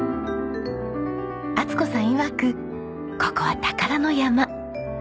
充子さんいわくここは宝の山。